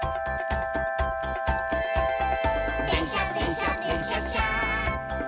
「でんしゃでんしゃでんしゃっしゃ」